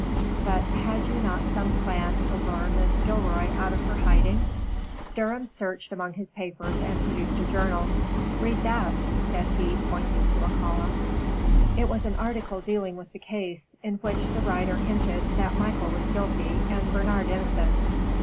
"But had you not some plan to lure Mrs. Gilroy out of her hiding?" Durham searched amongst his papers and produced a journal. "Read that," said he, pointing to a column. It was an article dealing with the case, in which the writer hinted that Michael was guilty and Bernard innocent.